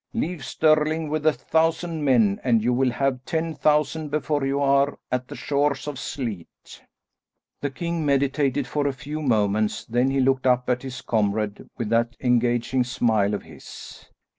Leave Stirling with a thousand men and you will have ten thousand before you are at the shores of Sleat." The king meditated for a few moments, then he looked up at his comrade with that engaging smile of his.